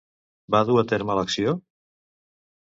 Va dur a terme l'acció?